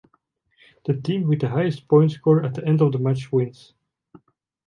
The team with the highest point score at the end of the match wins.